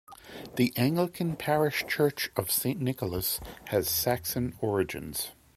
The Anglican parish Church of Saint Nicholas has Saxon origins.